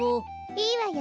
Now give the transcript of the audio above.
いいわよ。